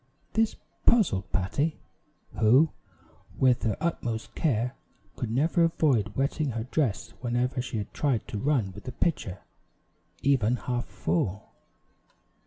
This puzzled Patty, who, with her utmost care, could never avoid wetting her dress whenever she had tried to run with the pitcher, even half full.